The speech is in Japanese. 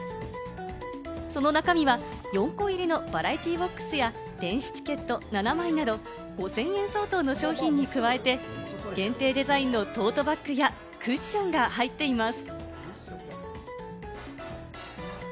その中身は４個入りのバラエティボックスや、電子チケット７枚など５０００円相当の商品に加えて、限定デザインのトートバッグやクッションが入っています。